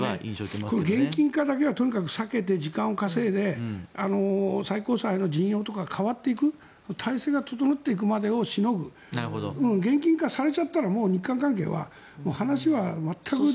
とにかく現金化だけは避けて時間を稼いで最高裁の陣容が代わっていく体制が整っていくまでをしのいでいく現金化されたら日韓関係は、話は全く。